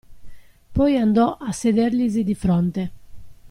Poi andò a sederglisi di fronte.